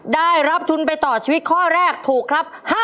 ได้รับทุนไปต่อชีวิตข้อแรกถูกครับ